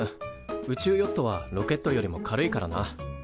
宇宙ヨットはロケットよりも軽いからな。